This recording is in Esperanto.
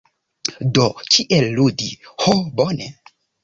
Do. "Kiel ludi". Ho bone.